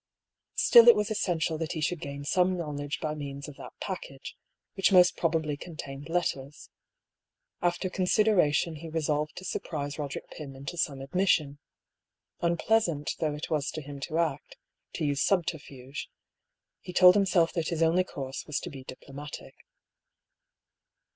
Still it was Essential that he should gain some knowledge by means of that package, which most prob ably contained letters. After consideration, he resolved to surprise Roderick •Pym into some admission. Un pleasant though it was to him to act, to use subterfuge, he told himself that his only course was to be diplo matic.